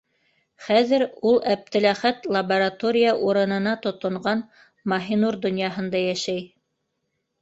Хәҙер ул Әптеләхәт лаборатория урынына тотонған Маһинур донъяһында йәшәй.